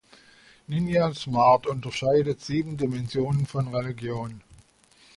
Ninian Smart unterscheidet sieben Dimensionen von Religion.